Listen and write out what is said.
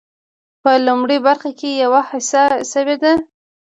په لومړۍ برخه کې یوه هڅه شوې ده.